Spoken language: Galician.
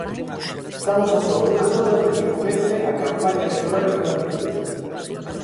Estamos a só unhas horas de que comece a campaña electoral en Andalucía.